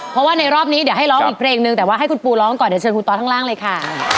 เพราะว่าในรอบนี้เดี๋ยวให้ร้องอีกเพลงนึงแต่ว่าให้คุณปูร้องก่อนเดี๋ยวเชิญคุณตอสข้างล่างเลยค่ะ